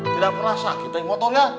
tidak pernah sakit teh motornya